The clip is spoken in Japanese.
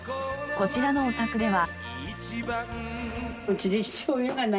こちらのお宅では。